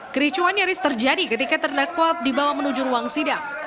kericuan nyaris terjadi ketika terdakwa dibawa menuju ruang sidang